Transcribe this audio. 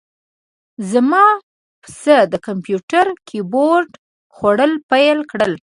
زما پسه د کمپیوتر کیبورډ خوړل پیل کړل.